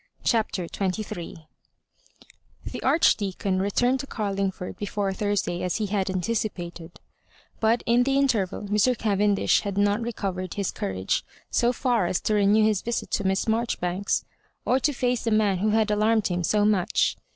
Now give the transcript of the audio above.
CHAPTER XXHL The Archdeacon returned to Carlingford before Thursday, as he had anticipated ; but in the in terval Mr. Cavendish had not recovered his courage so far as to renew his visit to Miss Mar joribanks, or to face the man who had alarmed him so much.